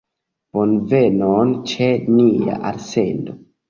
Bonvenon ĉe nia elsendo.